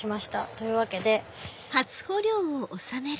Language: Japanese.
というわけで。